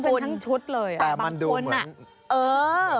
คุณแต่มันดูเหมือน